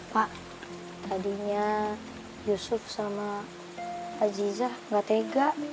pak tadinya yusuf sama ajizah gak tega